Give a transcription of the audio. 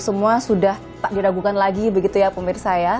semua sudah tak diragukan lagi begitu ya pemirsa ya